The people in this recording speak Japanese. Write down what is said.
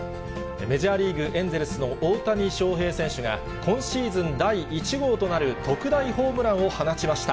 メジャーリーグ・エンゼルスの大谷翔平選手が、今シーズン第１号となる特大ホームランを放ちました。